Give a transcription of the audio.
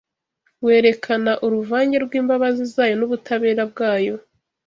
werekana uruvange rw’imbabazi zayo n’ubutabera bwayo